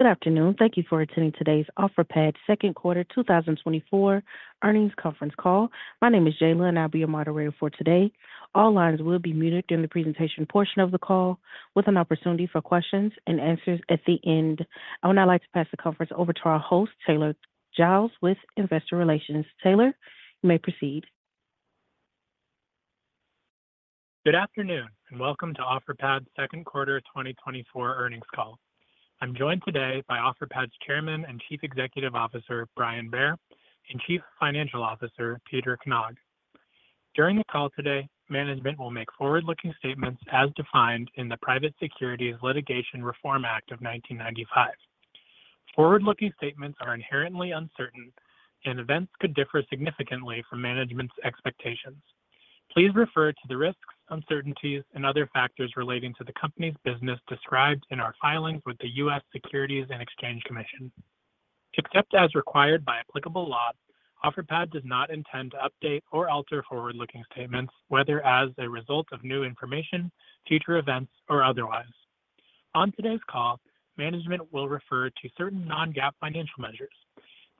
Good afternoon! Thank you for attending today's Offerpad Second Quarter 2024 Earnings Conference Call. My name is Jayla, and I'll be your moderator for today. All lines will be muted during the presentation portion of the call, with an opportunity for questions and answers at the end. I would now like to pass the conference over to our host, Taylor Giles, with Investor Relations. Taylor, you may proceed. Good afternoon, and welcome to Offerpad's second quarter 2024 earnings call. I'm joined today by Offerpad's Chairman and Chief Executive Officer, Brian Bair, and Chief Financial Officer, Peter Knag. During the call today, management will make forward-looking statements as defined in the Private Securities Litigation Reform Act of 1995. Forward-looking statements are inherently uncertain, and events could differ significantly from management's expectations. Please refer to the risks, uncertainties, and other factors relating to the company's business described in our filings with the U.S. Securities and Exchange Commission. Except as required by applicable law, Offerpad does not intend to update or alter forward-looking statements, whether as a result of new information, future events, or otherwise. On today's call, management will refer to certain non-GAAP financial measures.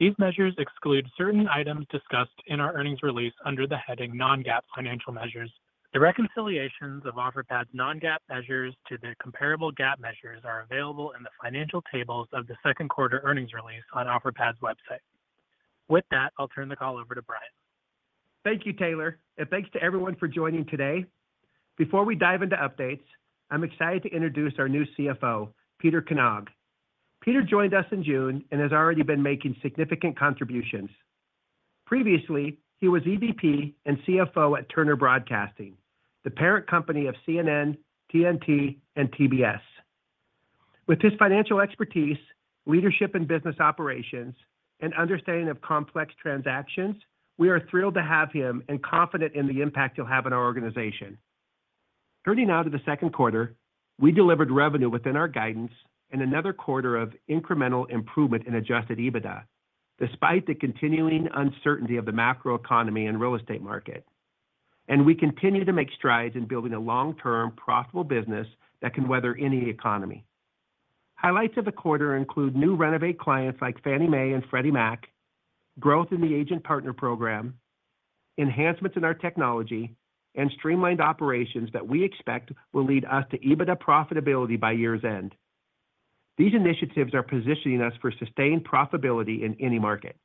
These measures exclude certain items discussed in our earnings release under the heading Non-GAAP Financial Measures. The reconciliations of Offerpad's non-GAAP measures to their comparable GAAP measures are available in the financial tables of the second quarter earnings release on Offerpad's website. With that, I'll turn the call over to Brian. Thank you, Taylor, and thanks to everyone for joining today. Before we dive into updates, I'm excited to introduce our new CFO, Peter Knag. Peter joined us in June and has already been making significant contributions. Previously, he was EVP and CFO at Turner Broadcasting, the parent company of CNN, TNT, and TBS. With his financial expertise, leadership in business operations, and understanding of complex transactions, we are thrilled to have him and confident in the impact he'll have on our organization. Turning now to the second quarter, we delivered revenue within our guidance and another quarter of incremental improvement in Adjusted EBITDA, despite the continuing uncertainty of the macroeconomy and real estate market. We continue to make strides in building a long-term, profitable business that can weather any economy. Highlights of the quarter include new Renovate clients like Fannie Mae and Freddie Mac, growth in the Agent Partner Program, enhancements in our technology, and streamlined operations that we expect will lead us to EBITDA profitability by year's end. These initiatives are positioning us for sustained profitability in any market.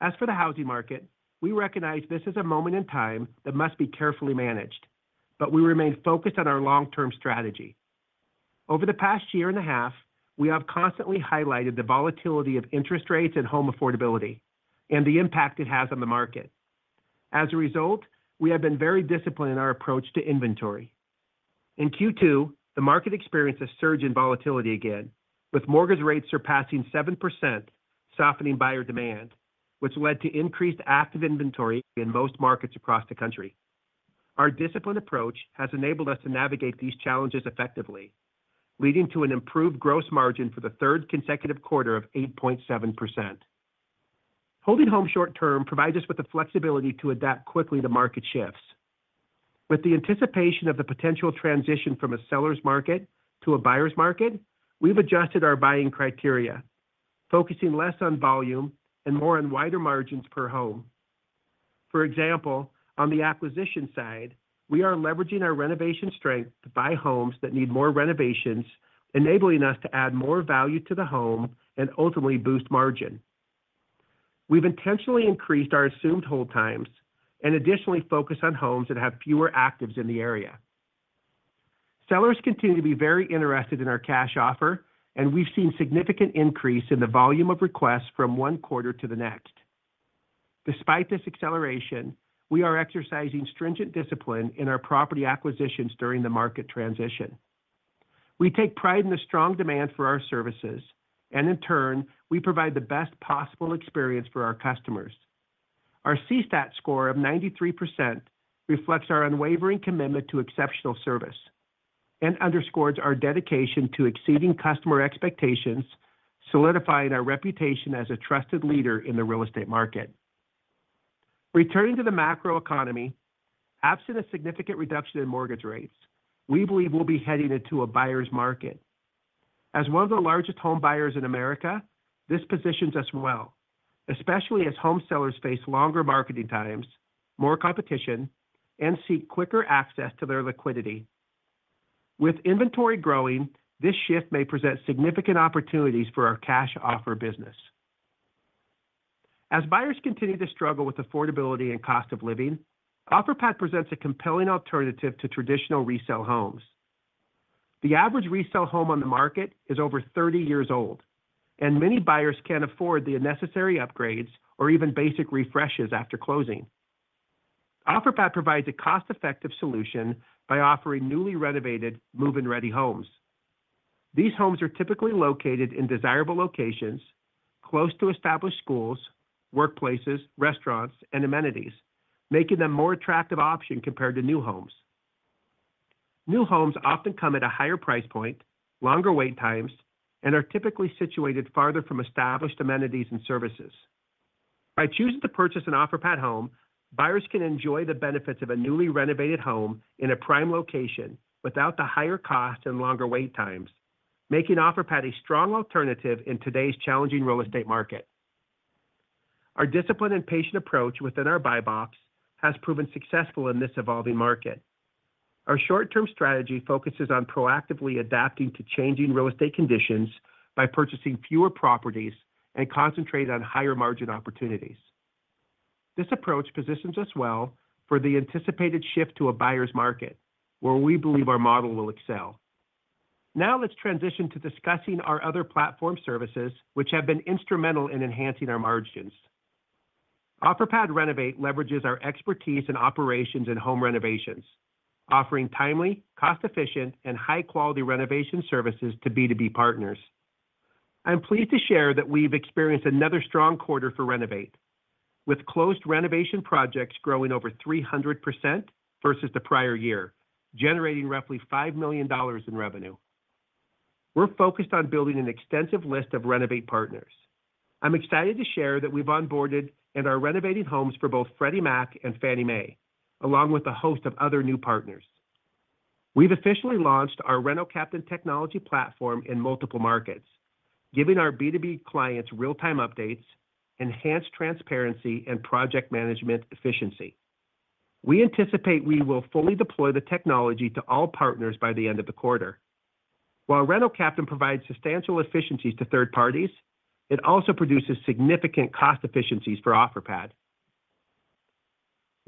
As for the housing market, we recognize this is a moment in time that must be carefully managed, but we remain focused on our long-term strategy. Over the past year and a half, we have constantly highlighted the volatility of interest rates and home affordability and the impact it has on the market. As a result, we have been very disciplined in our approach to inventory. In Q2, the market experienced a surge in volatility again, with mortgage rates surpassing 7%, softening buyer demand, which led to increased active inventory in most markets across the country. Our disciplined approach has enabled us to navigate these challenges effectively, leading to an improved gross margin for the third consecutive quarter of 8.7%. Holding home short-term provides us with the flexibility to adapt quickly to market shifts. With the anticipation of the potential transition from a seller's market to a buyer's market, we've adjusted our buying criteria, focusing less on volume and more on wider margins per home. For example, on the acquisition side, we are leveraging our renovation strength to buy homes that need more renovations, enabling us to add more value to the home and ultimately boost margin. We've intentionally increased our assumed hold times and additionally focused on homes that have fewer actives in the area. Sellers continue to be very interested in our cash offer, and we've seen significant increase in the volume of requests from one quarter to the next. Despite this acceleration, we are exercising stringent discipline in our property acquisitions during the market transition. We take pride in the strong demand for our services, and in turn, we provide the best possible experience for our customers. Our CSAT score of 93% reflects our unwavering commitment to exceptional service and underscores our dedication to exceeding customer expectations, solidifying our reputation as a trusted leader in the real estate market. Returning to the macroeconomy, absent a significant reduction in mortgage rates, we believe we'll be heading into a buyer's market. As one of the largest home buyers in America, this positions us well, especially as home sellers face longer marketing times, more competition, and seek quicker access to their liquidity. With inventory growing, this shift may present significant opportunities for our cash offer business. As buyers continue to struggle with affordability and cost of living, Offerpad presents a compelling alternative to traditional resale homes. The average resale home on the market is over 30 years old, and many buyers can't afford the necessary upgrades or even basic refreshes after closing. Offerpad provides a cost-effective solution by offering newly renovated, move-in-ready homes. These homes are typically located in desirable locations, close to established schools, workplaces, restaurants, and amenities, making them more attractive option compared to new homes. New homes often come at a higher price point, longer wait times, and are typically situated farther from established amenities and services.... By choosing to purchase an Offerpad home, buyers can enjoy the benefits of a newly renovated home in a prime location without the higher cost and longer wait times, making Offerpad a strong alternative in today's challenging real estate market. Our disciplined and patient approach within our buy box has proven successful in this evolving market. Our short-term strategy focuses on proactively adapting to changing real estate conditions by purchasing fewer properties and concentrating on higher margin opportunities. This approach positions us well for the anticipated shift to a buyer's market, where we believe our model will excel. Now, let's transition to discussing our other platform services, which have been instrumental in enhancing our margins. Offerpad Renovate leverages our expertise in operations and home renovations, offering timely, cost-efficient, and high-quality renovation services to B2B partners. I'm pleased to share that we've experienced another strong quarter for Renovate, with closed renovation projects growing over 300% versus the prior year, generating roughly $5 million in revenue. We're focused on building an extensive list of Renovate partners. I'm excited to share that we've onboarded and are renovating homes for both Freddie Mac and Fannie Mae, along with a host of other new partners. We've officially launched our Reno Captain technology platform in multiple markets, giving our B2B clients real-time updates, enhanced transparency, and project management efficiency. We anticipate we will fully deploy the technology to all partners by the end of the quarter. While Reno Captain provides substantial efficiencies to third parties, it also produces significant cost efficiencies for Offerpad.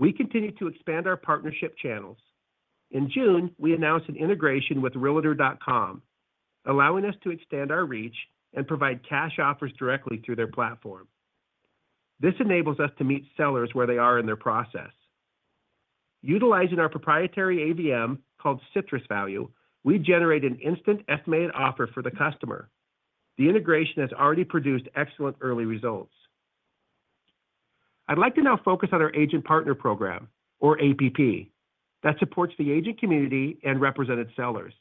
We continue to expand our partnership channels. In June, we announced an integration with Realtor.com, allowing us to extend our reach and provide cash offers directly through their platform. This enables us to meet sellers where they are in their process. Utilizing our proprietary AVM, called CitrusValue, we generate an instant estimated offer for the customer. The integration has already produced excellent early results. I'd like to now focus on our Agent Partner Program, or APP, that supports the agent community and represented sellers.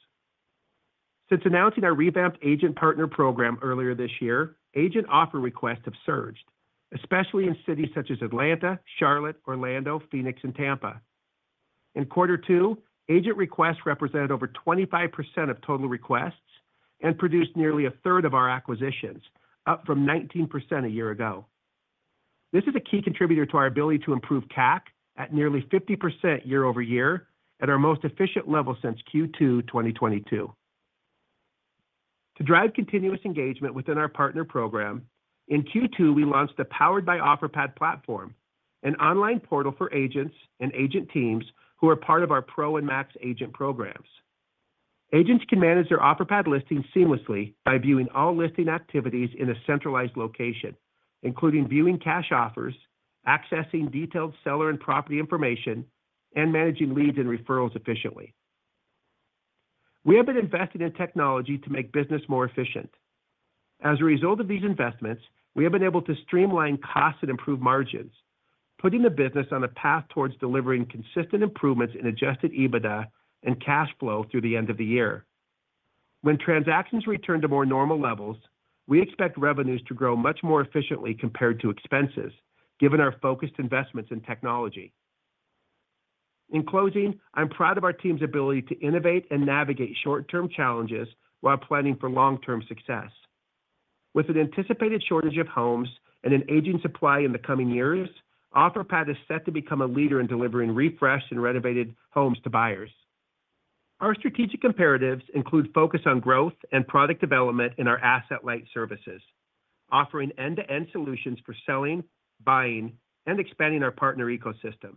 Since announcing our revamped Agent Partner Program earlier this year, agent offer requests have surged, especially in cities such as Atlanta, Charlotte, Orlando, Phoenix, and Tampa. In quarter two, agent requests represented over 25% of total requests and produced nearly a third of our acquisitions, up from 19% a year ago. This is a key contributor to our ability to improve CAC at nearly 50% year-over-year, at our most efficient level since Q2 2022. To drive continuous engagement within our Partner Program, in Q2, we launched the Powered by Offerpad platform, an online portal for agents and agent teams who are part of our Pro and Max agent programs. Agents can manage their Offerpad listings seamlessly by viewing all listing activities in a centralized location, including viewing cash offers, accessing detailed seller and property information, and managing leads and referrals efficiently. We have been investing in technology to make business more efficient. As a result of these investments, we have been able to streamline costs and improve margins, putting the business on a path towards delivering consistent improvements in Adjusted EBITDA and cash flow through the end of the year. When transactions return to more normal levels, we expect revenues to grow much more efficiently compared to expenses, given our focused investments in technology. In closing, I'm proud of our team's ability to innovate and navigate short-term challenges while planning for long-term success. With an anticipated shortage of homes and an aging supply in the coming years, Offerpad is set to become a leader in delivering refreshed and renovated homes to buyers. Our strategic imperatives include focus on growth and product development in our asset-light services, offering end-to-end solutions for selling, buying, and expanding our partner ecosystem.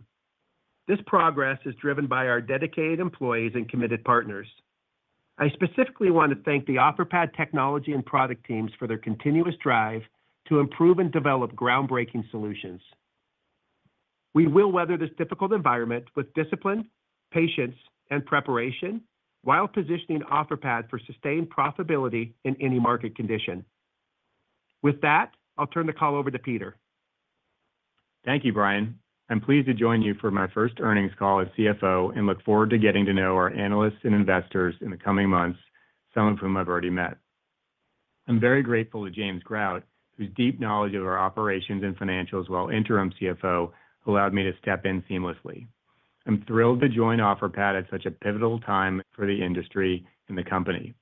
This progress is driven by our dedicated employees and committed partners. I specifically want to thank the Offerpad technology and product teams for their continuous drive to improve and develop groundbreaking solutions. We will weather this difficult environment with discipline, patience, and preparation while positioning Offerpad for sustained profitability in any market condition. With that, I'll turn the call over to Peter. Thank you, Brian. I'm pleased to join you for my first earnings call as CFO and look forward to getting to know our analysts and investors in the coming months, some of whom I've already met. I'm very grateful to James Grout, whose deep knowledge of our operations and financials while Interim CFO, allowed me to step in seamlessly. I'm thrilled to join Offerpad at such a pivotal time for the industry and the company.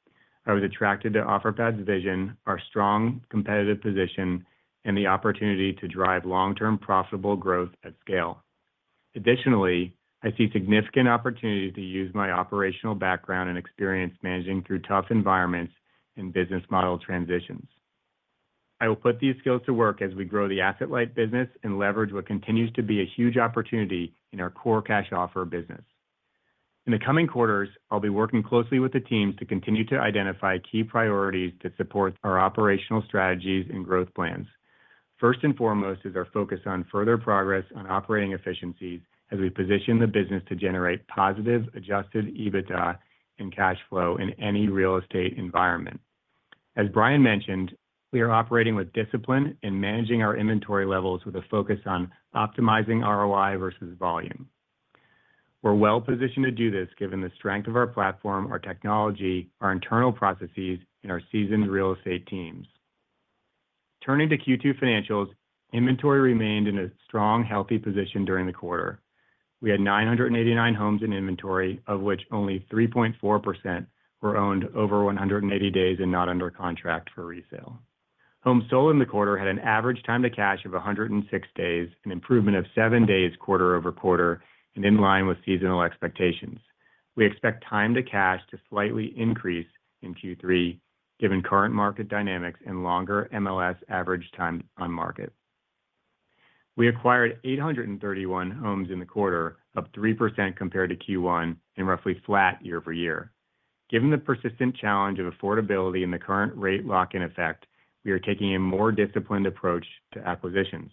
I was attracted to Offerpad's vision, our strong competitive position, and the opportunity to drive long-term profitable growth at scale. Additionally, I see significant opportunity to use my operational background and experience managing through tough environments and business model transitions. I will put these skills to work as we grow the asset-light business and leverage what continues to be a huge opportunity in our core cash offer business. In the coming quarters, I'll be working closely with the teams to continue to identify key priorities to support our operational strategies and growth plans. First and foremost is our focus on further progress on operating efficiencies as we position the business to generate positive, Adjusted EBITDA and cash flow in any real estate environment. As Brian mentioned, we are operating with discipline in managing our inventory levels with a focus on optimizing ROI versus volume.... We're well positioned to do this, given the strength of our platform, our technology, our internal processes, and our seasoned real estate teams. Turning to Q2 financials, inventory remained in a strong, healthy position during the quarter. We had 989 homes in inventory, of which only 3.4% were owned over 180 days and not under contract for resale. Homes sold in the quarter had an average time to cash of 106 days, an improvement of 7 days quarter-over-quarter, and in line with seasonal expectations. We expect time to cash to slightly increase in Q3, given current market dynamics and longer MLS average time on market. We acquired 831 homes in the quarter, up 3% compared to Q1 and roughly flat year-over-year. Given the persistent challenge of affordability and the current rate lock-in effect, we are taking a more disciplined approach to acquisitions.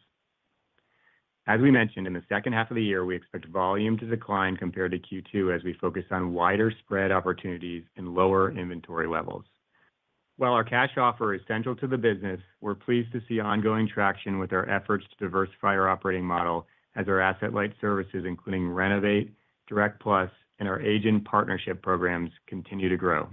As we mentioned, in the second half of the year, we expect volume to decline compared to Q2 as we focus on wider spread opportunities and lower inventory levels. While our cash offer is central to the business, we're pleased to see ongoing traction with our efforts to diversify our operating model as our asset-light services, including Renovate, Direct Plus, and our agent partnership programs, continue to grow.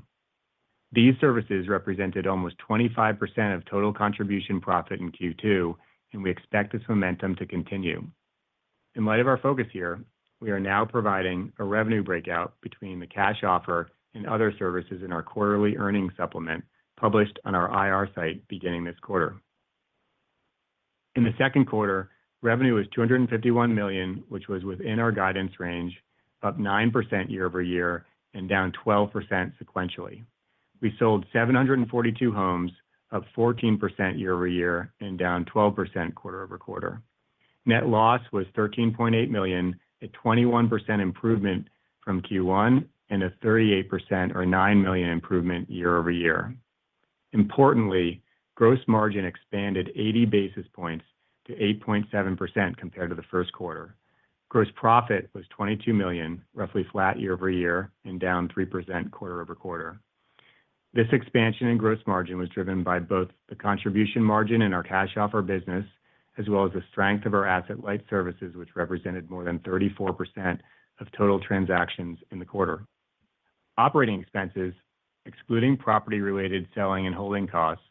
These services represented almost 25% of total contribution profit in Q2, and we expect this momentum to continue. In light of our focus here, we are now providing a revenue breakout between the cash offer and other services in our quarterly earnings supplement, published on our IR site beginning this quarter. In the second quarter, revenue was $251 million, which was within our guidance range, up 9% year-over-year and down 12% sequentially. We sold 742 homes, up 14% year-over-year and down 12% quarter-over-quarter. Net loss was $13.8 million, a 21% improvement from Q1 and a 38% or $9 million improvement year-over-year. Importantly, gross margin expanded 80 basis points to 8.7% compared to the first quarter. Gross profit was $22 million, roughly flat year-over-year and down 3% quarter-over-quarter. This expansion in gross margin was driven by both the contribution margin in our cash offer business, as well as the strength of our asset-light services, which represented more than 34% of total transactions in the quarter. Operating expenses, excluding property-related selling and holding costs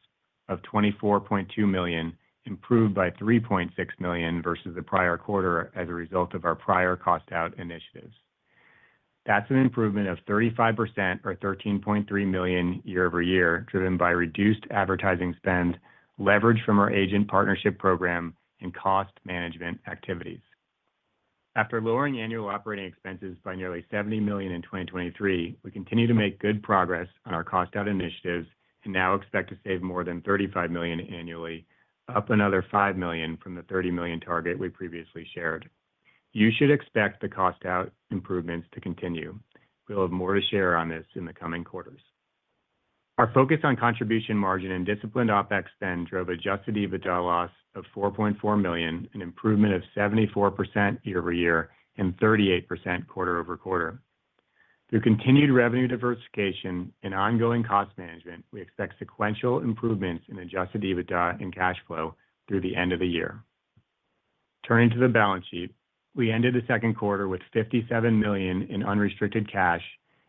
of $24.2 million, improved by $3.6 million versus the prior quarter as a result of our prior cost-out initiatives. That's an improvement of 35% or $13.3 million year-over-year, driven by reduced advertising spend, leverage from our Agent Partner Program, and cost management activities. After lowering annual operating expenses by nearly $70 million in 2023, we continue to make good progress on our cost-out initiatives and now expect to save more than $35 million annually, up another $5 million from the $30 million target we previously shared. You should expect the cost-out improvements to continue. We'll have more to share on this in the coming quarters. Our focus on Contribution Margin and disciplined OpEx spend drove Adjusted EBITDA loss of $4.4 million, an improvement of 74% year-over-year and 38% quarter-over-quarter. Through continued revenue diversification and ongoing cost management, we expect sequential improvements in Adjusted EBITDA and cash flow through the end of the year. Turning to the balance sheet, we ended the second quarter with $57 million in unrestricted cash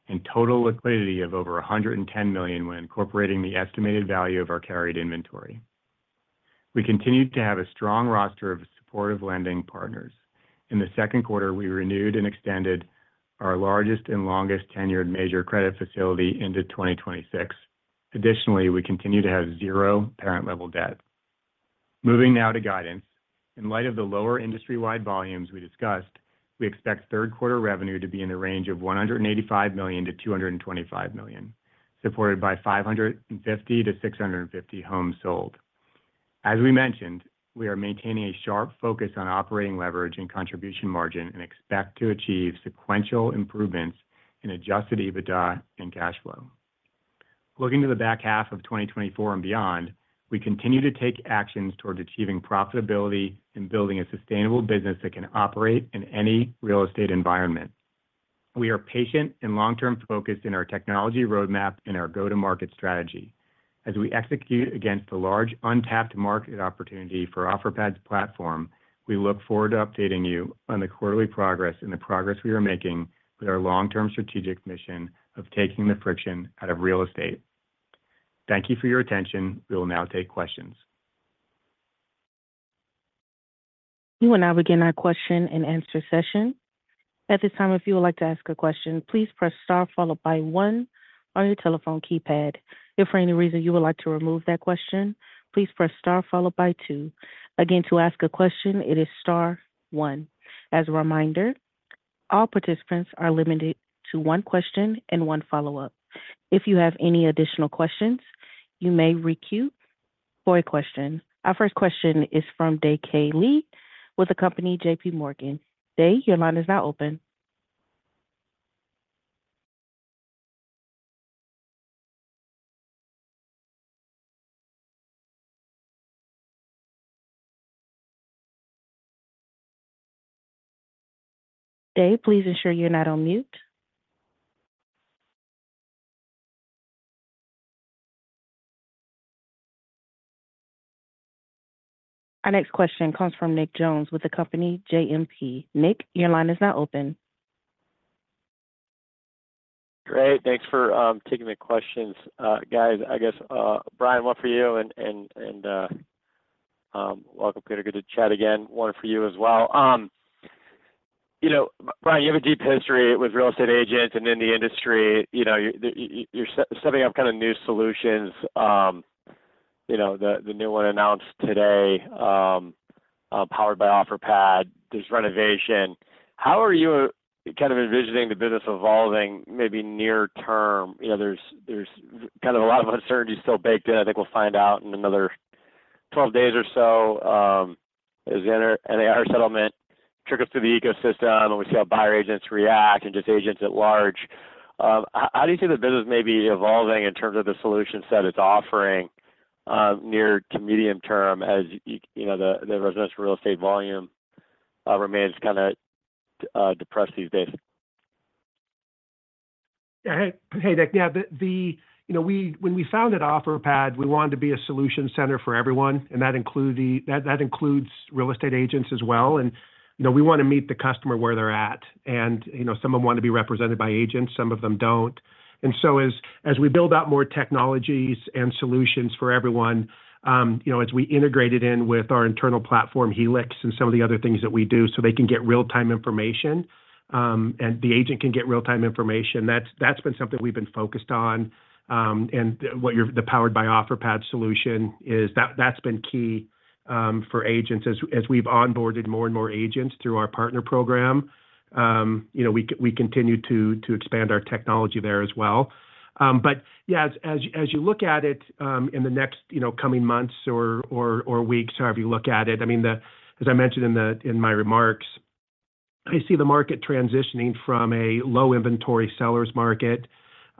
and total liquidity of over $110 million when incorporating the estimated value of our carried inventory. We continued to have a strong roster of supportive lending partners. In the second quarter, we renewed and extended our largest and longest-tenured major credit facility into 2026. Additionally, we continue to have zero parent level debt. Moving now to guidance. In light of the lower industry-wide volumes we discussed, we expect third quarter revenue to be in the range of $185 million-$225 million, supported by 550-650 homes sold. As we mentioned, we are maintaining a sharp focus on operating leverage and Contribution Margin and expect to achieve sequential improvements in Adjusted EBITDA and cash flow. Looking to the back half of 2024 and beyond, we continue to take actions toward achieving profitability and building a sustainable business that can operate in any real estate environment. We are patient and long-term focused in our technology roadmap and our go-to-market strategy. As we execute against the large untapped market opportunity for Offerpad's platform, we look forward to updating you on the quarterly progress and the progress we are making with our long-term strategic mission of taking the friction out of real estate. Thank you for your attention. We will now take questions. We will now begin our question-and-answer session. At this time, if you would like to ask a question, please press star followed by one on your telephone keypad. If for any reason you would like to remove that question, please press star followed by two. Again, to ask a question, it is star one. As a reminder, all participants are limited to one question and one follow-up. If you have any additional questions, you may requeue for a question. Our first question is from Dae K. Lee with the company J.P. Morgan. Dae, your line is now open. Dae, please ensure you're not on mute. Our next question comes from Nick Jones with the company JMP. Nick, your line is now open. Great. Thanks for taking the questions. Guys, I guess, Brian, one for you, and welcome, Peter. Good to chat again. One for you as well. You know, Brian, you have a deep history with real estate agents and in the industry, you know, you're setting up kinda new solutions. You know, the new one announced today, Powered by Offerpad, there's renovation. How are you kind of envisioning the business evolving, maybe near term? You know, there's kind of a lot of uncertainty still baked in. I think we'll find out in another 12 days or so, as the NAR settlement trickles through the ecosystem, and we see how buyer agents react and just agents at large. How do you see the business maybe evolving in terms of the solution set it's offering, near to medium term, as you know, the residential real estate volume remains kinda depressed these days? Hey, hey, Nick. Yeah. You know, when we founded Offerpad, we wanted to be a solution center for everyone, and that includes real estate agents as well. You know, we wanna meet the customer where they're at. You know, some of them want to be represented by agents, some of them don't. So as we build out more technologies and solutions for everyone, you know, as we integrate it in with our internal platform, Helix, and some of the other things that we do, so they can get real-time information, and the agent can get real-time information, that's been something we've been focused on. And the Powered by Offerpad solution is. That's been key for agents. As we've onboarded more and more agents through our partner program, you know, we continue to expand our technology there as well. But yeah, as you look at it, in the next, you know, coming months or weeks, however you look at it, I mean, as I mentioned in my remarks, I see the market transitioning from a low inventory sellers market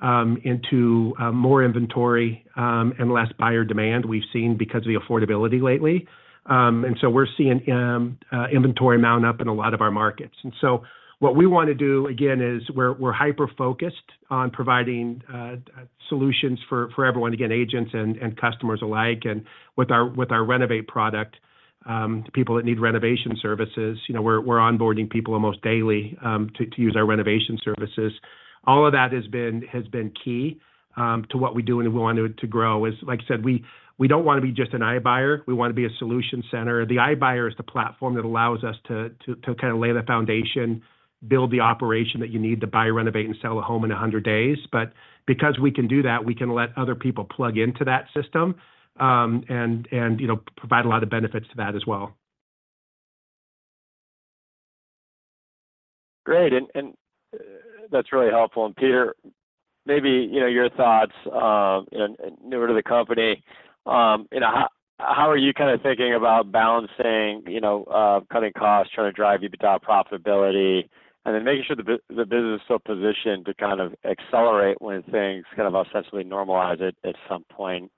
into more inventory and less buyer demand we've seen because of the affordability lately. And so we're seeing inventory mounting up in a lot of our markets. And so what we want to do, again, is we're hyper-focused on providing solutions for everyone, again, agents and customers alike, and with our Renovate product, people that need renovation services. You know, we're onboarding people almost daily to use our renovation services. All of that has been key to what we do, and we want it to grow. As like I said, we don't want to be just an iBuyer; we want to be a solution center. The iBuyer is the platform that allows us to kinda lay the foundation, build the operation that you need to buy, renovate, and sell a home in 100 days. But because we can do that, we can let other people plug into that system, and you know, provide a lot of benefits to that as well. Great, and that's really helpful. And, Peter, maybe, you know, your thoughts, you know, newer to the company, you know, how are you kinda thinking about balancing, you know, cutting costs, trying to drive EBITDA profitability, and then making sure the business is still positioned to kind of accelerate when things kind of ostensibly normalize at some point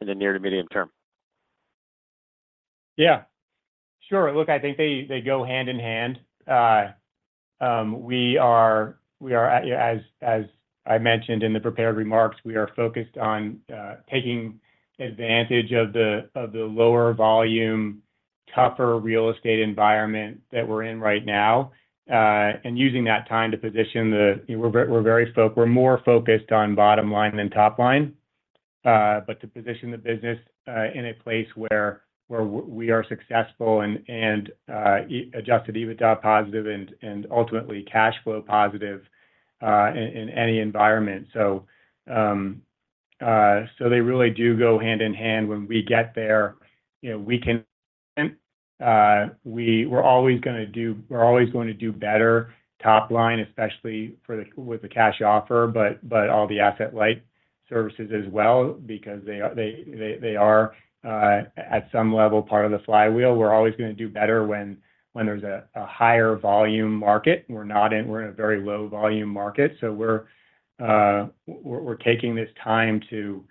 in the near to medium term? Yeah. Sure. Look, I think they, they go hand in hand. We are, we are, as, as I mentioned in the prepared remarks, we are focused on taking advantage of the lower volume, tougher real estate environment that we're in right now, and using that time to position the... We're more focused on bottom line than top line, but to position the business in a place where we are successful and Adjusted EBITDA positive and ultimately cash flow positive in any environment. So, so they really do go hand in hand. When we get there, you know, we can, we're always gonna do, we're always going to do better top line, especially for the, with the cash offer, but, but all the asset light services as well, because they are, at some level, part of the flywheel. We're always going to do better when there's a higher volume market. We're in a very low volume market, so we're taking this time to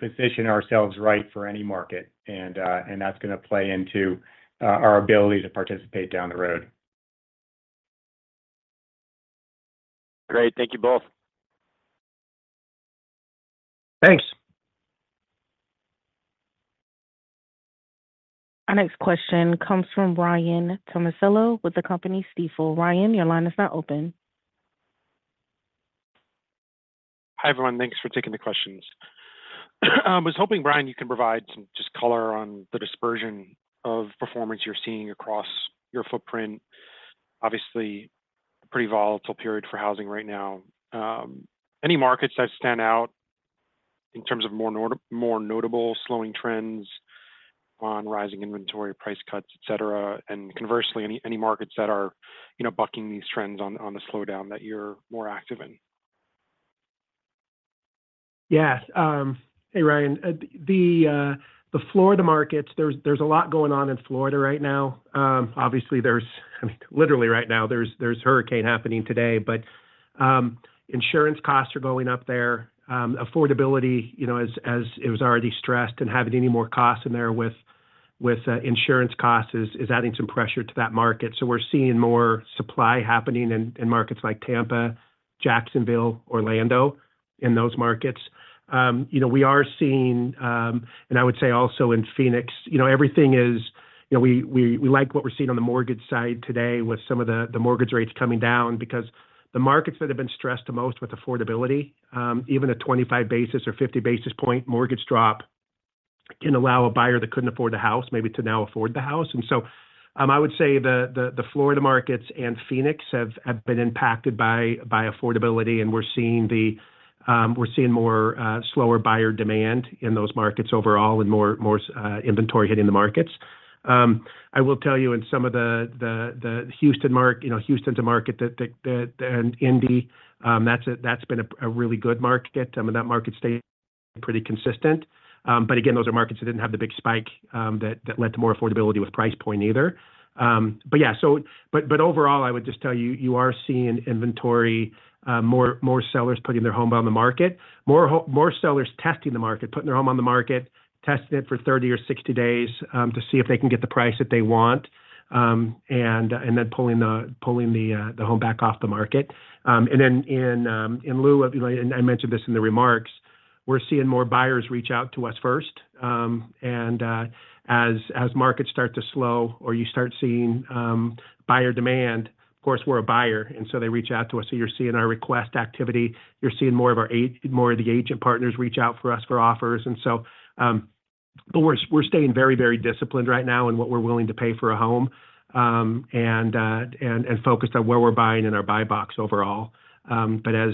position ourselves right for any market, and that's gonna play into our ability to participate down the road. Great. Thank you both. Thanks. Our next question comes from Ryan Tomasello with the company Stifel. Ryan, your line is now open. Hi, everyone. Thanks for taking the questions. I was hoping, Brian, you can provide some just color on the dispersion of performance you're seeing across your footprint. Obviously, pretty volatile period for housing right now. Any markets that stand out in terms of more notable slowing trends on rising inventory, price cuts, et cetera, and conversely, any markets that are, you know, bucking these trends on the slowdown that you're more active in? Yeah. Hey, Ryan. The Florida markets, there's a lot going on in Florida right now. Obviously, there's literally right now, there's a hurricane happening today. But, insurance costs are going up there. Affordability, you know, as it was already stressed and having any more costs in there with insurance costs is adding some pressure to that market. So we're seeing more supply happening in markets like Tampa, Jacksonville, Orlando, in those markets. You know, we are seeing, and I would say also in Phoenix, you know, everything is, you know—we like what we're seeing on the mortgage side today with some of the mortgage rates coming down because the markets that have been stressed the most with affordability, even a 25 basis points or 50 basis points mortgage drop can allow a buyer that couldn't afford a house maybe to now afford the house. And so, I would say the Florida markets and Phoenix have been impacted by affordability, and we're seeing more slower buyer demand in those markets overall and more inventory hitting the markets. I will tell you in some of the Houston market, you know, Houston market and Indy, that's been a really good market. And that market stayed pretty consistent. But again, those are markets that didn't have the big spike that led to more affordability with price point either. But yeah, so... But overall, I would just tell you, you are seeing inventory, more sellers putting their home on the market, more sellers testing the market, putting their home on the market, testing it for 30 or 60 days, to see if they can get the price that they want, and then pulling the home back off the market. And then in lieu of, you know, and I mentioned this in the remarks, we're seeing more buyers reach out to us first. And as markets start to slow or you start seeing buyer demand, of course, we're a buyer, and so they reach out to us. So you're seeing our request activity, you're seeing more of the agent partners reach out for us for offers. And so, but we're staying very, very disciplined right now in what we're willing to pay for a home, and focused on where we're buying in our buy box overall. But as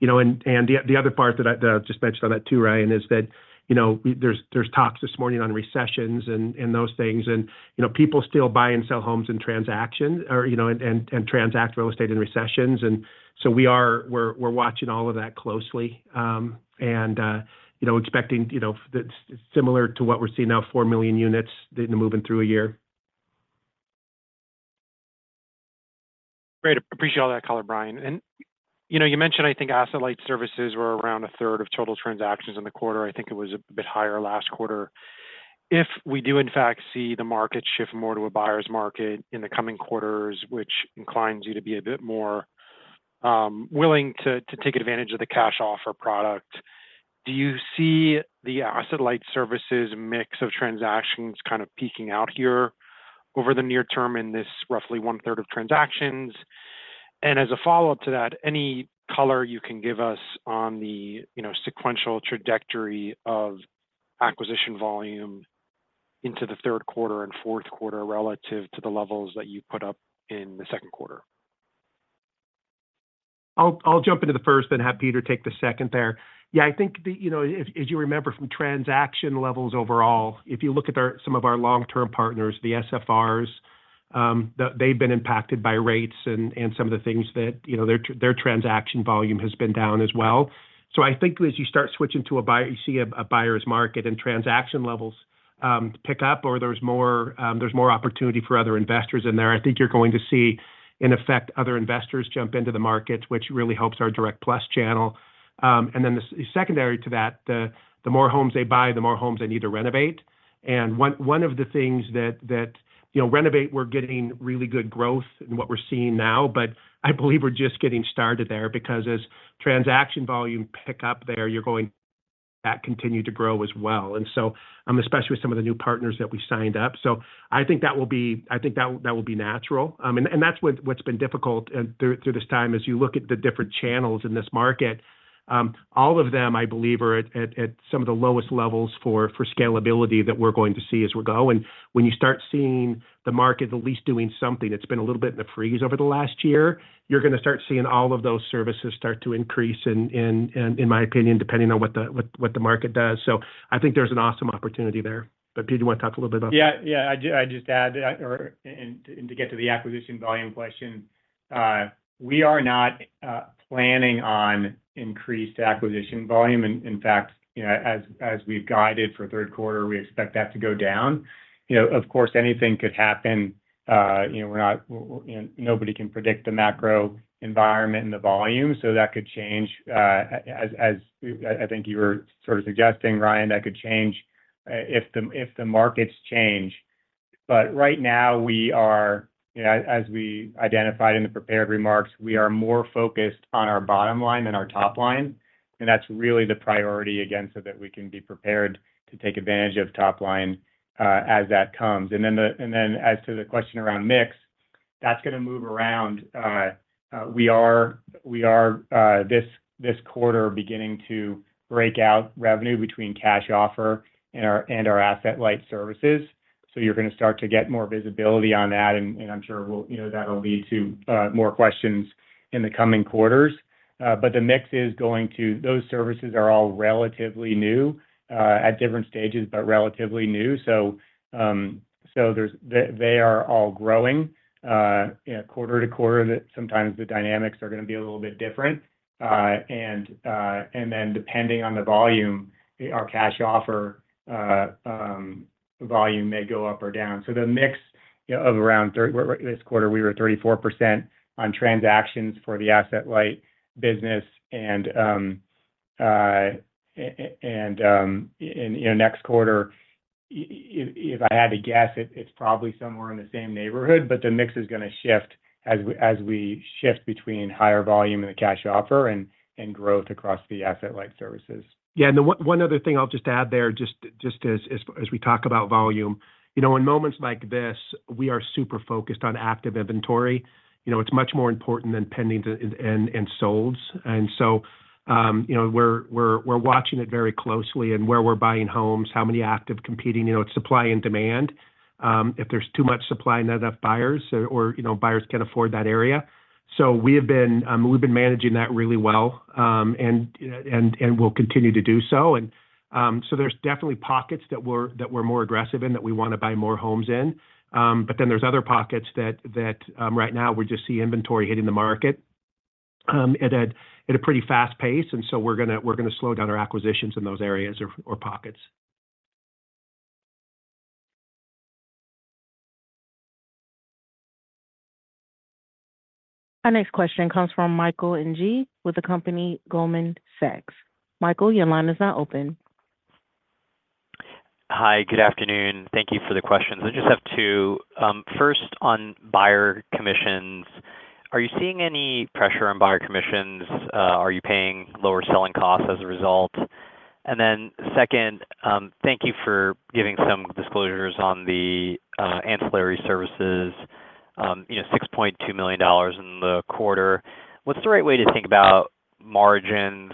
you know, and the other part that I just mentioned on that too, Ryan, is that, you know, there's talks this morning on recessions and those things. You know, people still buy and sell homes and transactions or, you know, and transact real estate in recessions. So we're watching all of that closely, and you know, expecting, you know, that's similar to what we're seeing now, 4 million units moving through a year. Great. Appreciate all that color, Brian. And, you know, you mentioned, I think asset-light services were around a third of total transactions in the quarter. I think it was a bit higher last quarter. If we do, in fact, see the market shift more to a buyer's market in the coming quarters, which inclines you to be a bit more willing to take advantage of the cash offer product, do you see the asset-light services mix of transactions kind of peaking out here over the near term in this roughly one-third of transactions? And as a follow-up to that, any color you can give us on the, you know, sequential trajectory of acquisition volume into the third quarter and fourth quarter relative to the levels that you put up in the second quarter? I'll jump into the first, then have Peter take the second there. Yeah, I think the, you know, if you remember from transaction levels overall, if you look at our, some of our long-term partners, the SFRs, they've been impacted by rates and some of the things that, you know, their transaction volume has been down as well. So I think as you start switching to a buy—you see a buyer's market and transaction levels pick up, or there's more opportunity for other investors in there, I think you're going to see, in effect, other investors jump into the market, which really helps our Direct Plus channel. And then secondary to that, the more homes they buy, the more homes they need to renovate. And one of the things that... You know, renovate, we're getting really good growth in what we're seeing now, but I believe we're just getting started there because as transaction volume pick up there, you're going to continue to grow as well. And so, especially with some of the new partners that we signed up. So I think that will be natural. And that's what's been difficult through this time as you look at the different channels in this market. All of them, I believe, are at some of the lowest levels for scalability that we're going to see as we go. And when you start seeing the market at least doing something, it's been a little bit in the freeze over the last year, you're going to start seeing all of those services start to increase in my opinion, depending on what the market does. So I think there's an awesome opportunity there. But, Peter, you want to talk a little bit about- Yeah, yeah, I just add to get to the acquisition volume question. We are not planning on increased acquisition volume. In fact, you know, as we've guided for third quarter, we expect that to go down. You know, of course, anything could happen, you know. We're not, you know, nobody can predict the macro environment and the volume, so that could change, as I think you were sort of suggesting, Ryan, that could change if the markets change. But right now we are, you know, as we identified in the prepared remarks, we are more focused on our bottom line than our top line, and that's really the priority again, so that we can be prepared to take advantage of top line as that comes. As to the question around mix, that's going to move around. We are this quarter beginning to break out revenue between cash offer and our Asset-light services. So you're going to start to get more visibility on that, and I'm sure we'll, you know, that'll lead to more questions in the coming quarters. But the mix is going to... Those services are all relatively new, at different stages, but relatively new. So they are all growing. You know, quarter to quarter, that sometimes the dynamics are going to be a little bit different. And then depending on the volume, our cash offer volume may go up or down. So the mix, you know, of around—well, this quarter, we were 34% on transactions for the asset-light business and, you know, next quarter, if I had to guess, it's probably somewhere in the same neighborhood, but the mix is gonna shift as we, as we shift between higher volume in the cash offer and growth across the asset-light services. Yeah, and the one other thing I'll just add there, just as we talk about volume. You know, in moments like this, we are super focused on active inventory. You know, it's much more important than pendings and solds. And so, you know, we're watching it very closely and where we're buying homes, how many active competing, you know, it's supply and demand. If there's too much supply, not enough buyers or you know, buyers can't afford that area. So we have been, we've been managing that really well, and we'll continue to do so. And so there's definitely pockets that we're more aggressive in, that we wanna buy more homes in. But then there's other pockets that right now we just see inventory hitting the market at a pretty fast pace, and so we're gonna slow down our acquisitions in those areas or pockets. Our next question comes from Michael Ng with the company Goldman Sachs. Michael, your line is now open. Hi, good afternoon. Thank you for the questions. I just have two. First, on buyer commissions, are you seeing any pressure on buyer commissions? Are you paying lower selling costs as a result? And then second, thank you for giving some disclosures on the, ancillary services, you know, $6.2 million in the quarter. What's the right way to think about margins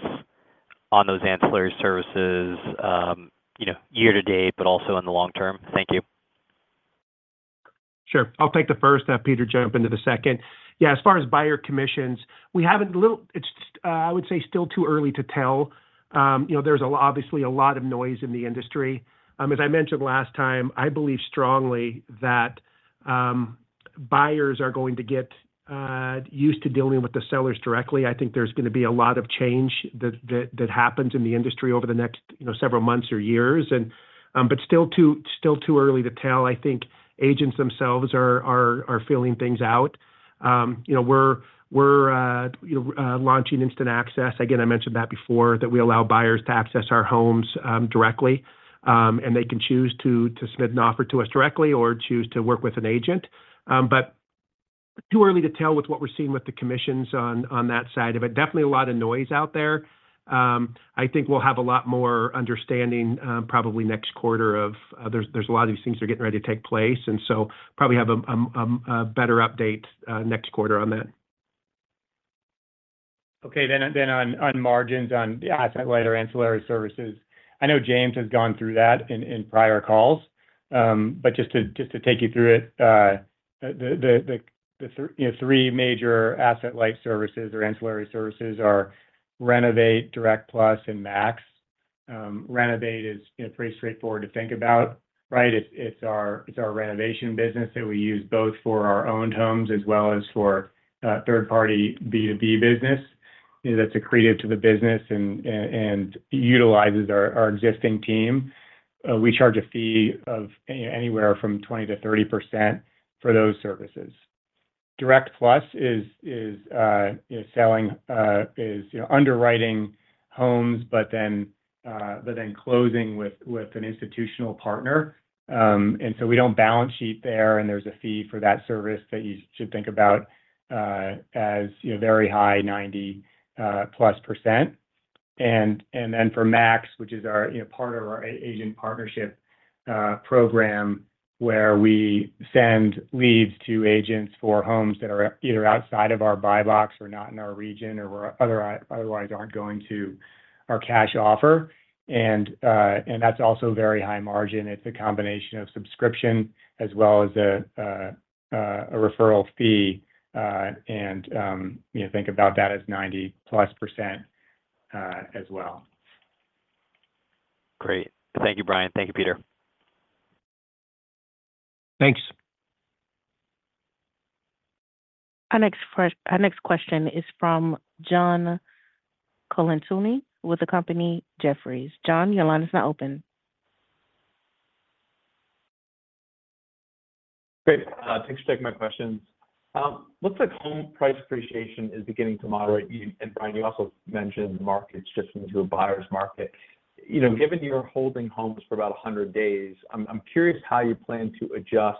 on those ancillary services, you know, year to date, but also in the long term? Thank you. Sure. I'll take the first, have Peter jump into the second. Yeah, as far as buyer commissions, we have a little. It's, I would say, still too early to tell. You know, there's obviously a lot of noise in the industry. As I mentioned last time, I believe strongly that buyers are going to get used to dealing with the sellers directly. I think there's gonna be a lot of change that happens in the industry over the next, you know, several months or years. But still too early to tell. I think agents themselves are filling things out. You know, we're launching Instant Access. Again, I mentioned that before, that we allow buyers to access our homes directly, and they can choose to submit an offer to us directly or choose to work with an agent. But too early to tell with what we're seeing with the commissions on that side of it. Definitely a lot of noise out there. I think we'll have a lot more understanding, probably next quarter. There's a lot of these things getting ready to take place, and so probably have a better update next quarter on that. Okay. Then on margins on the asset-light or ancillary services, I know James has gone through that in prior calls. But just to take you through it, the you know, three major asset-light services or ancillary services are Renovate, Direct Plus, and Max. Renovate is, you know, pretty straightforward to think about, right? It's our renovation business that we use both for our own homes as well as for third-party B2B business. That's accretive to the business and utilizes our existing team. We charge a fee of anywhere from 20%-30% for those services. Direct Plus is, you know, underwriting homes, but then closing with an institutional partner. And so we don't balance sheet there, and there's a fee for that service that you should think about, as, you know, very high, 90%+. And then for Max, which is our, you know, part of our agent partnership program, where we send leads to agents for homes that are either outside of our Buy Box or not in our region or otherwise aren't going to our cash offer. And that's also very high margin. It's a combination of subscription as well as a referral fee, and, you know, think about that as 90%+, as well. Great. Thank you, Brian. Thank you, Peter. Thanks. Our next question is from John Colantuoni, with the company Jefferies. John, your line is now open. Great. Thanks for taking my questions. Looks like home price appreciation is beginning to moderate, you and Brian, you also mentioned the market shifting into a buyer's market. You know, given you're holding homes for about 100 days, I'm curious how you plan to adjust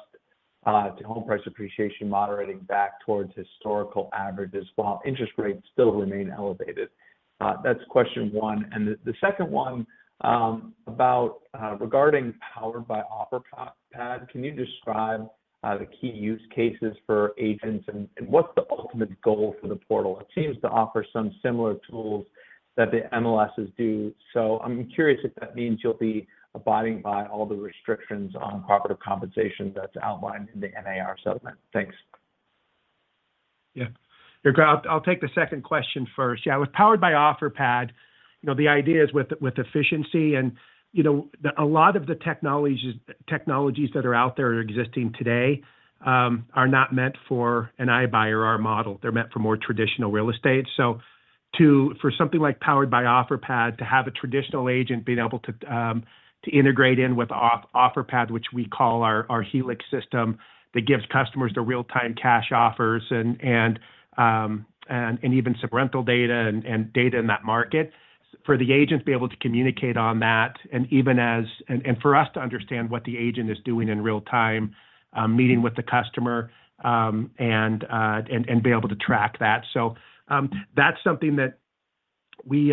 to home price appreciation moderating back towards historical averages, while interest rates still remain elevated? That's question one. And the second one, about regarding Powered by Offerpad, can you describe the key use cases for agents, and what's the ultimate goal for the portal? It seems to offer some similar tools that the MLSs do, so I'm curious if that means you'll be abiding by all the restrictions on cooperative compensation that's outlined in the NAR settlement. Thanks. Yeah. I'll take the second question first. Yeah, with Powered by Offerpad, you know, the idea is with efficiency. And, you know, a lot of the technologies that are out there existing today are not meant for an iBuyer or our model. They're meant for more traditional real estate. So, for something like Powered by Offerpad, to have a traditional agent being able to integrate in with Offerpad, which we call our Helix system, that gives customers the real-time cash offers and even subrental data and data in that market. For the agents to be able to communicate on that, and even for us to understand what the agent is doing in real time, meeting with the customer, and be able to track that. So, that's something that we've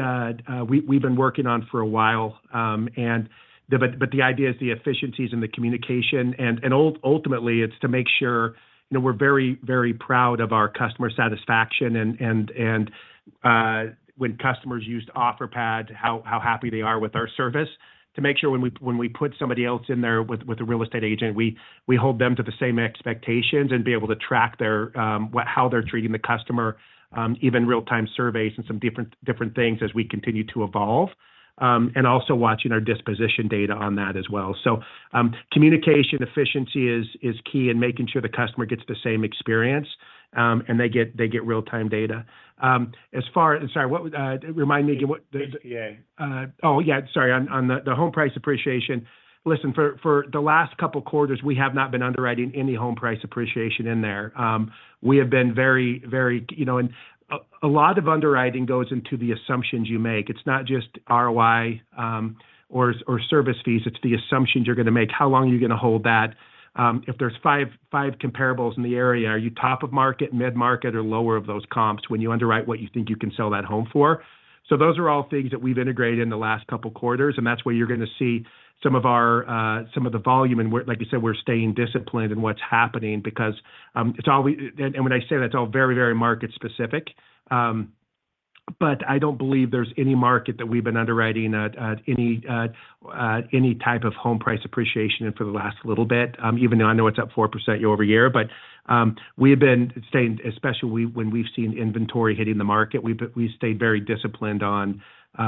been working on for a while. But the idea is the efficiencies and the communication, and ultimately, it's to make sure, you know, we're very, very proud of our customer satisfaction and, when customers use Offerpad, how happy they are with our service. To make sure when we put somebody else in there with a real estate agent, we hold them to the same expectations and be able to track their how they're treating the customer, even real-time surveys and some different things as we continue to evolve, and also watching our disposition data on that as well. So, communication efficiency is key in making sure the customer gets the same experience, and they get real-time data. As far... Sorry, what was that? Remind me again, what the- HPA. Oh, yeah, sorry, on the home price appreciation. Listen, for the last couple quarters, we have not been underwriting any home price appreciation in there. We have been very, very... You know, and a lot of underwriting goes into the assumptions you make. It's not just ROI or service fees. It's the assumptions you're gonna make. How long are you gonna hold that? If there's five comparables in the area, are you top of market, mid-market, or lower of those comps when you underwrite what you think you can sell that home for? So those are all things that we've integrated in the last couple quarters, and that's where you're gonna see some of our volume, and we're—like you said, we're staying disciplined in what's happening because it's all and when I say that's all very, very market specific. But I don't believe there's any market that we've been underwriting at any type of home price appreciation for the last little bit, even though I know it's up 4% year-over-year. But we have been staying, especially when we've seen inventory hitting the market, we've stayed very disciplined on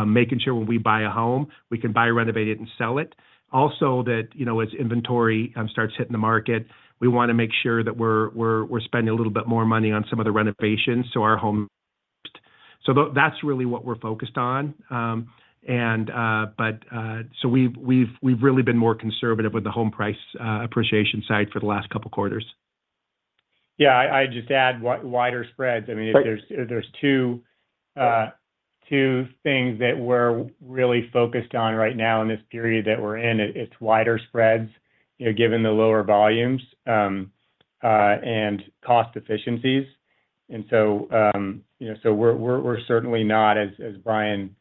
making sure when we buy a home, we can buy, renovate it, and sell it. Also, you know, as inventory starts hitting the market, we wanna make sure that we're spending a little bit more money on some of the renovations, so our home... So that's really what we're focused on. So we've really been more conservative with the home price appreciation side for the last couple quarters. Yeah, I'd just add wider spreads. Right. I mean, there's two things that we're really focused on right now in this period that we're in. It's wider spreads, you know, given the lower volumes, and cost efficiencies. And so, you know, so we're certainly not, as Brian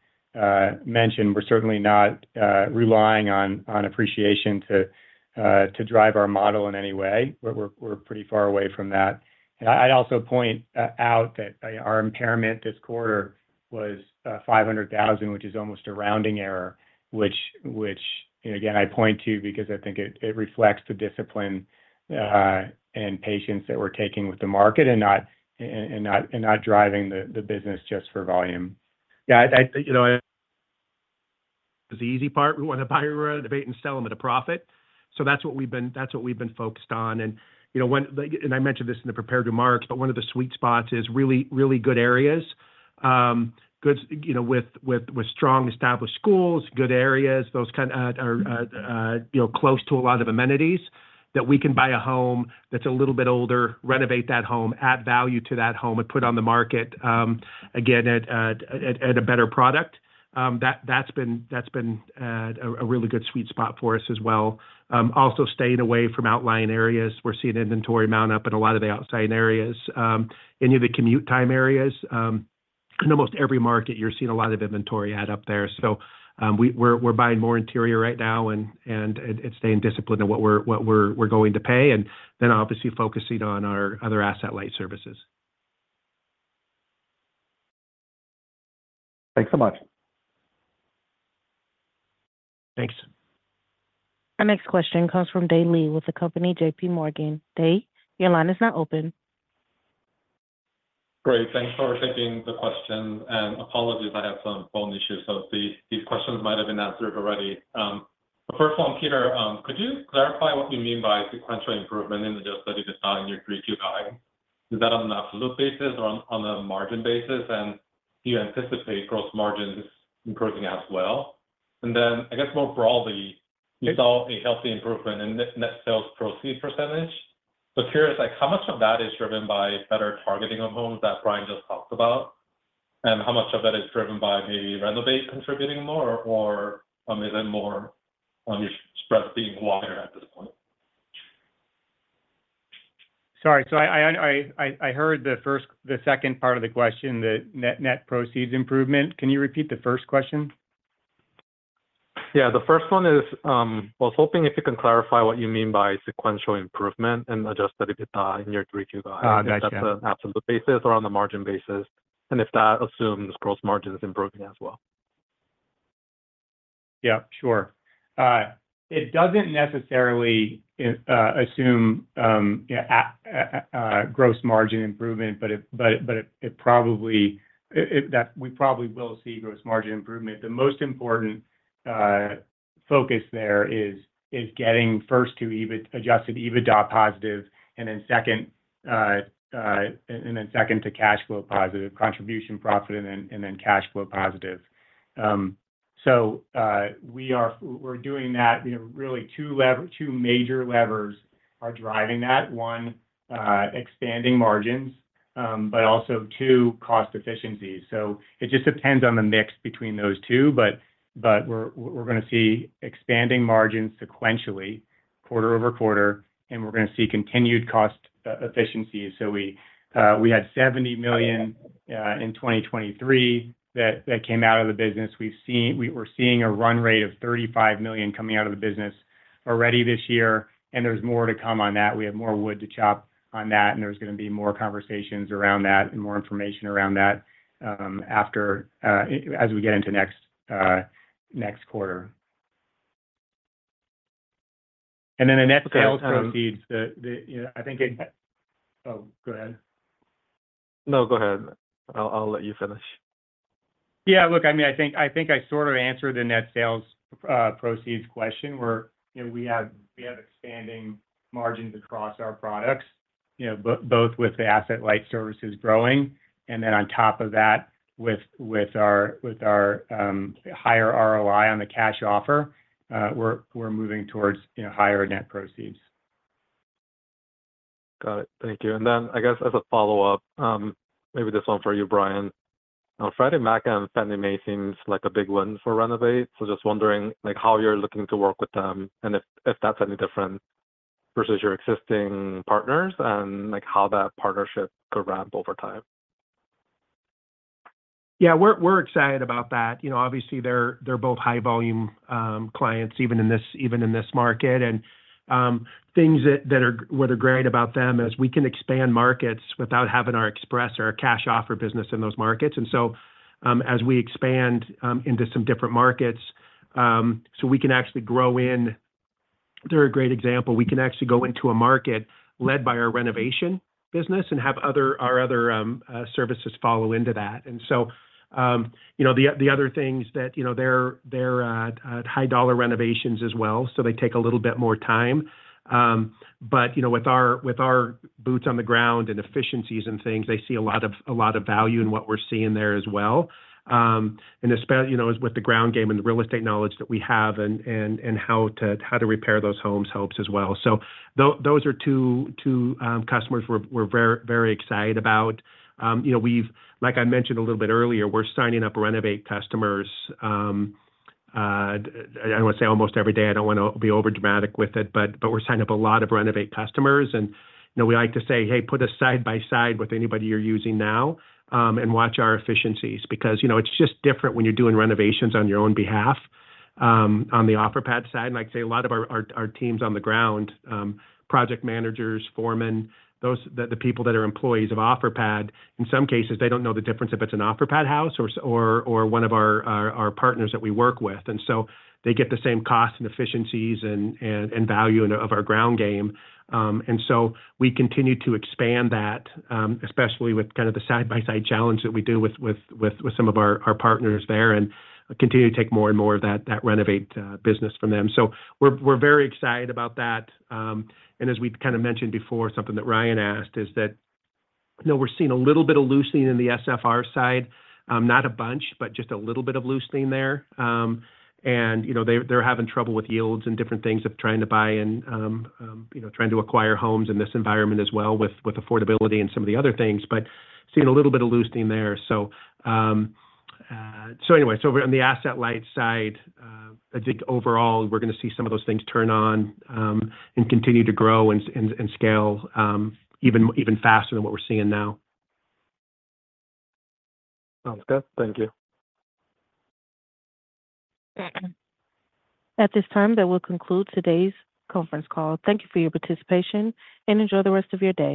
mentioned, we're certainly not relying on appreciation to drive our model in any way. We're pretty far away from that. And I'd also point out that our impairment this quarter was $500,000, which is almost a rounding error, and again, I point to because I think it reflects the discipline and patience that we're taking with the market and not driving the business just for volume. Yeah, I, you know,... is the easy part. We want to buy, renovate, and sell them at a profit. So that's what we've been, that's what we've been focused on. And, you know, and I mentioned this in the prepared remarks, but one of the sweet spots is really, really good areas. Good, you know, with strong established schools, good areas, those kind, are, you know, close to a lot of amenities, that we can buy a home that's a little bit older, renovate that home, add value to that home, and put on the market, again, at a better product. That, that's been, that's been, a really good sweet spot for us as well. Also staying away from outlying areas. We're seeing inventory mount up in a lot of the outlying areas. Any of the commute time areas, in almost every market, you're seeing a lot of inventory add up there. So, we're buying more interior right now and staying disciplined in what we're going to pay, and then obviously focusing on our other asset-light services. Thanks so much. Thanks. Our next question comes from Dae K. Lee with the company J.P. Morgan. Dae, your line is now open. Great. Thanks for taking the question, and apologies, I had some phone issues, so these, these questions might have been answered already. First one, Peter, could you clarify what you mean by sequential improvement in Adjusted EBITDA in your 3Q guide? Is that on an absolute basis or on, on a margin basis, and do you anticipate gross margins improving as well? And then, I guess, more broadly, you saw a healthy improvement in net, net sales proceeds percentage. So curious, like, how much of that is driven by better targeting of homes that Brian just talked about? And how much of that is driven by maybe renovation contributing more, or is it more on your spreads being wider at this point? Sorry, so I heard the first, the second part of the question, the net, net proceeds improvement. Can you repeat the first question? Yeah, the first one is, well, hoping if you can clarify what you mean by sequential improvement in adjusted EBITDA in your 3Q guide- Ah, gotcha. If that's an absolute basis or on the margin basis, and if that assumes gross margin is improving as well? Yeah, sure. It doesn't necessarily assume a gross margin improvement, but it probably that we probably will see gross margin improvement. The most important focus there is getting first to EBITDA, adjusted EBITDA positive, and then second to cash flow positive, contribution profit, and then cash flow positive. So we're doing that. You know, really two major levers are driving that. One, expanding margins, but also two, cost efficiency. So it just depends on the mix between those two, but we're gonna see expanding margins sequentially, quarter over quarter, and we're gonna see continued cost efficiency. So we had $70 million in 2023 that came out of the business. We're seeing a run rate of $35 million coming out of the business already this year, and there's more to come on that. We have more wood to chop on that, and there's gonna be more conversations around that and more information around that, after, as we get into next quarter. And then the net sales proceeds, you know, I think it... Oh, go ahead. No, go ahead. I'll, I'll let you finish. Yeah, look, I mean, I think, I think I sort of answered the net sales proceeds question, where, you know, we have, we have expanding margins across our products, you know, both with the asset-light services growing, and then on top of that, with our higher ROI on the cash offer, we're, we're moving towards, you know, higher net proceeds. Got it. Thank you. And then, I guess, as a follow-up, maybe this one for you, Brian. On Friday, Freddie Mac and Fannie Mae seems like a big win for Renovate. So just wondering, like, how you're looking to work with them, and if, if that's any different versus your existing partners, and like, how that partnership could ramp over time? Yeah, we're excited about that. You know, obviously, they're both high volume clients, even in this market. And what are great about them is we can expand markets without having our Express or our cash offer business in those markets. And so, as we expand into some different markets, so we can actually grow in. They're a great example. We can actually go into a market led by our renovation business and have our other services follow into that. And so, you know, the other things that, you know, they're high dollar renovations as well, so they take a little bit more time. But, you know, with our, with our boots on the ground and efficiencies and things, they see a lot of, a lot of value in what we're seeing there as well. And you know, as with the ground game and the real estate knowledge that we have and, and, and how to, how to repair those homes helps as well. So those are two, two, customers we're, we're very, very excited about. You know, we've-- like I mentioned a little bit earlier, we're signing up Renovate customers, I would say almost every day. I don't wanna be overdramatic with it, but, but we're signing up a lot of Renovate customers. And, you know, we like to say, "Hey, put us side by side with anybody you're using now, and watch our efficiencies." Because, you know, it's just different when you're doing renovations on your own behalf, on the Offerpad side. And like I say, a lot of our teams on the ground, project managers, foremen, those, the people that are employees of Offerpad, in some cases, they don't know the difference if it's an Offerpad house or one of our partners that we work with. And so they get the same cost and efficiencies and value of our ground game. And so we continue to expand that, especially with kind of the side-by-side challenge that we do with some of our partners there, and continue to take more and more of that Renovate business from them. So we're very excited about that. And as we've kind of mentioned before, something that Ryan asked, is that, you know, we're seeing a little bit of loosening in the SFR side. Not a bunch, but just a little bit of loosening there. And, you know, they're having trouble with yields and different things of trying to buy and, you know, trying to acquire homes in this environment as well, with affordability and some of the other things, but seeing a little bit of loosening there. So, anyway, on the asset-light side, I think overall, we're gonna see some of those things turn on, and continue to grow and scale, even faster than what we're seeing now. Sounds good. Thank you. At this time, that will conclude today's conference call. Thank you for your participation, and enjoy the rest of your day.